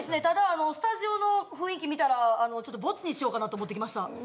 ただスタジオの雰囲気見たらボツにしようかなと思ってきました。